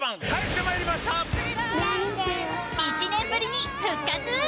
１年ぶりに復活！